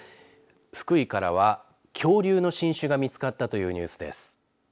福井からは恐竜の新種が見つかったというニュースです。